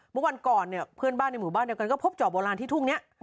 เมื่อวันก่อนเพื่อนบ้านในหมู่บ้านก็พบจอปโบราณที่ทุ่ง